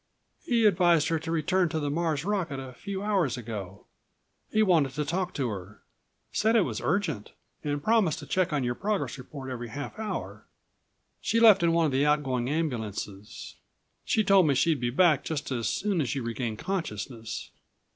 "He advised her to return to the Mars' rocket a few hours ago. He wanted to talk to her ... said it was urgent ... and promised to check on your progress report every half hour. She left in one of the outgoing ambulances. She told me she'd be back just as soon as you regained consciousness.